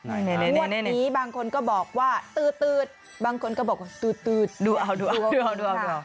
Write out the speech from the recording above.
เน่เน่เน่เน่เน่บางคนก็บอกว่าตื๊ดตื๊ดบางคนก็บอกว่าตื๊ดตื๊ดดูเอาดูเอาดูเอาดูเอา